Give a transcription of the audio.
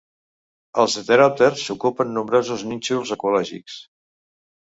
Els heteròpters ocupen nombrosos nínxols ecològics.